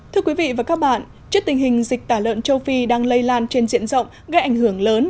thưa quý vị và các bạn trước tình hình dịch tả lợn châu phi đang lây lan trên diện rộng gây ảnh hưởng lớn